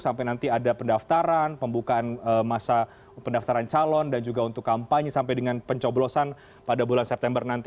sampai nanti ada pendaftaran pembukaan masa pendaftaran calon dan juga untuk kampanye sampai dengan pencoblosan pada bulan september nanti